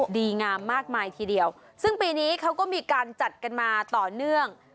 ดีงามมากมายทีเดียวซึ่งปีนี้เขาก็มีการจัดกันมาต่อเนื่อง